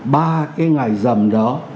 ba cái ngày giảm đó